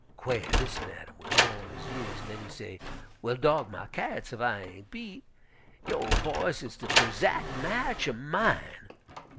Quail lissen at him wid all his years, an' den he say: 'Well, dog my cats, ef I ain' beat! Yo' voice is de prezack match er mine.